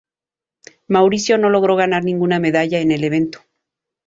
Mauricio no logró ganar ninguna medalla en el evento.